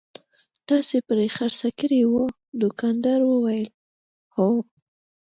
تاسې پرې خرڅه کړې وه؟ دوکاندارې وویل: هو.